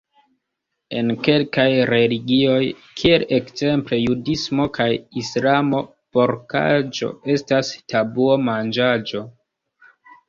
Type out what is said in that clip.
En kelkaj religioj, kiel ekzemple judismo kaj Islamo, porkaĵo estas tabuo-manĝaĵo.